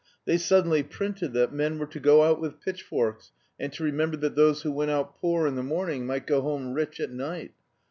They suddenly printed that men were to go out with pitchforks, and to remember that those who went out poor in the morning might go home rich at night.